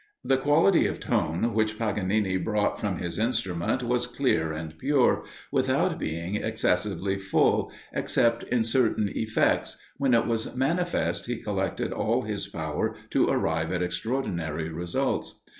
The quality of tone which Paganini brought from his instrument was clear and pure, without being excessively full, except in certain effects, when it was manifest he collected all his power to arrive at extraordinary results.